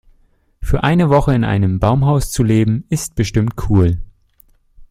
Für eine Woche in einem Baumhaus zu leben, ist bestimmt cool.